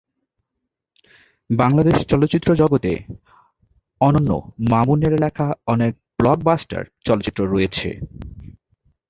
বাংলাদেশ চলচ্চিত্র জগতে অনন্য মামুনের লেখা অনেক ব্লকবাস্টার চলচ্চিত্র রয়েছে।